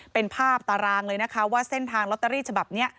เป็นภาพตารางเลยนะคะว่าเส้นทางลอตเตอรี่ฉบับนี้